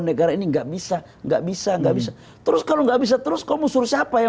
negara ini nggak bisa nggak bisa nggak bisa terus kalau nggak bisa terus kamu suruh siapa ya